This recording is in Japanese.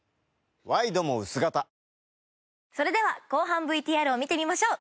ワイドも薄型それでは後半ＶＴＲを見てみましょう。